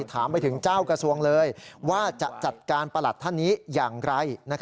ถามไปถึงเจ้ากระทรวงเลยว่าจะจัดการประหลัดท่านนี้อย่างไร